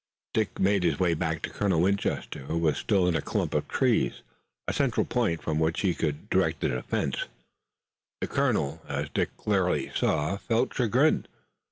Dick made his way back to Colonel Winchester, who was still in the clump of trees, a central point, from which he could direct the defense. The colonel, as Dick clearly saw, felt chagrin.